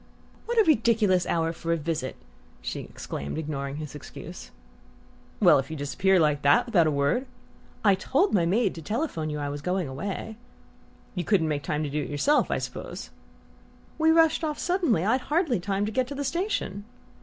"What a ridiculous hour for a visit!" she exclaimed, ignoring his excuse. "Well, if you disappear like that, without a word " "I told my maid to telephone you I was going away." "You couldn't make time to do it yourself, I suppose?" "We rushed off suddenly; I'd hardly time to get to the station."